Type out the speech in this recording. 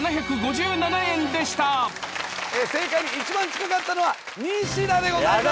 正解に一番近かったのはニシダでございます。